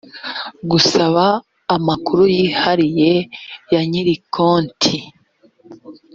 gusaba amakuru yihariye ya nyiri konti